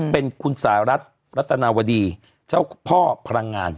เป็นคุณสหรัฐรัตนาวดีเจ้าพ่อพลังงาน